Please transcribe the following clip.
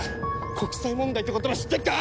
国際問題って言葉知ってっか？